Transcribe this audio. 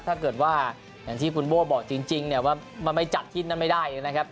ถ้าเกิดว่าอย่างที่คุณโบ้บอกจริงเนี่ยว่ามันไม่จัดที่นั่นไม่ได้นะครับ